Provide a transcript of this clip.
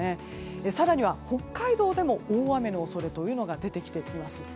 更に北海道でも大雨の恐れが出てきています。